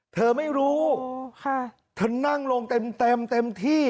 เธอไม่รู้เธอนั่งลงเต็มเต็มที่